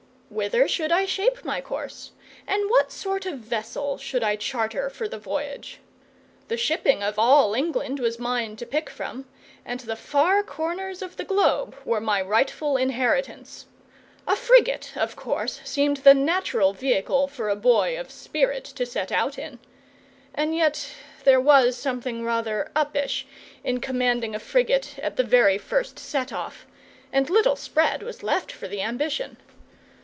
Whither should I shape my course, and what sort of vessel should I charter for the voyage? The shipping of all England was mine to pick from, and the far corners of the globe were my rightful inheritance. A frigate, of course, seemed the natural vehicle for a boy of spirit to set out in. And yet there was something rather "uppish" in commanding a frigate at the very first set off, and little spread was left for the ambition.